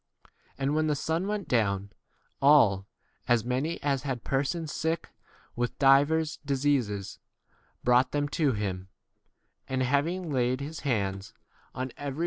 And when the sun went down, all, as many as had persons sick with divers dis eases, brought them to him, and having laid his hands on every e See note to verse 12.